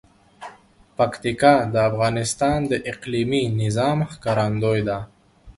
پکتیکا د افغانستان د اقلیمي نظام ښکارندوی ده.